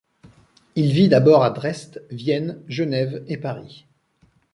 Il vit d'abord à Dresde, Vienne, Genève et Paris.